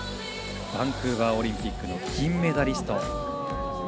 バンクーバーオリンピックの金メダリスト。